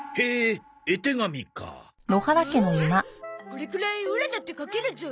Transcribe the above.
これくらいオラだって描けるゾ。